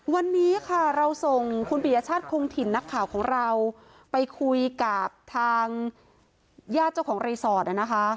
วันนี้ค่ะเราส่งคุณปียชาติคงถิ่นนักข่าวของเราไปคุยกับทางญาติเจ้าของรีสอร์ทนะคะ